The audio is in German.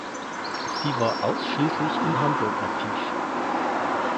Sie war ausschließlich in Hamburg aktiv.